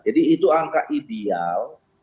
jadi itu angka ideal